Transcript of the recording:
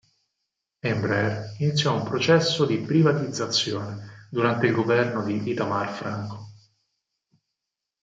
Embraer iniziò un processo di privatizzazione durante il governo di Itamar Franco.